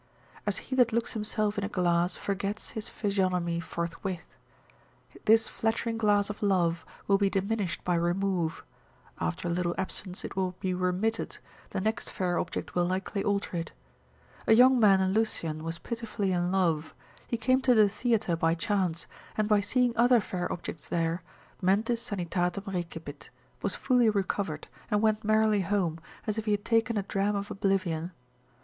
As he that looks himself in a glass forgets his physiognomy forthwith, this flattering glass of love will be diminished by remove; after a little absence it will be remitted, the next fair object will likely alter it. A young man in Lucian was pitifully in love, he came to the theatre by chance, and by seeing other fair objects there, mentis sanitatem recepit, was fully recovered, and went merrily home, as if he had taken a dram of oblivion.